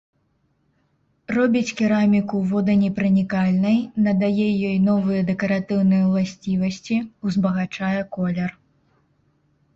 Робіць кераміку воданепранікальнай, надае ёй новыя дэкаратыўныя ўласцівасці, узбагачае колер.